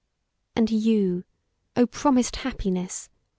And you! O promised Happiness!